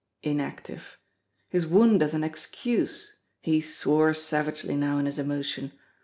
Inactive! His wound as an excuse! He swore savagely now in his emotion.